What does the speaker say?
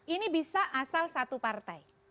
ini bisa asal satu partai